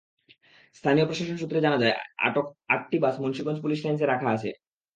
স্থানীয় প্রশাসন সূত্রে জানা যায়, আটক আটটি বাস মুন্সিগঞ্জ পুলিশ লাইনসে রাখা হয়েছে।